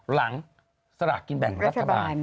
หลังสระกินแบงรัฐบาล